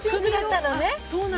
そうなの。